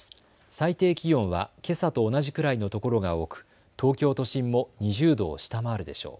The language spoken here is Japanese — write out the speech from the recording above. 最低気温はけさと同じくらいのところが多く東京都心も２０度を下回るでしょう。